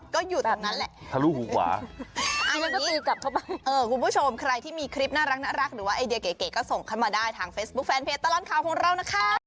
ก็อยู่ตรงนั้นแหละทะลุหูขวาเอาอย่างนี้คุณผู้ชมใครที่มีคลิปน่ารักหรือว่าไอเดียเก๋ก็ส่งเข้ามาได้ทางเฟซบุ๊คแฟนเพจตลอดข่าวของเรานะคะ